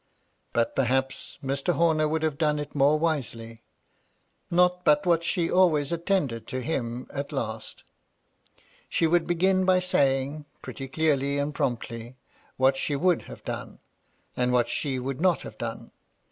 But, perhaps, Mr. Homer would have done it more wisely ; not but what she always attended to him at last She would begin by saying, pretty clearly and promptly, what she would have done, and what she would not have done.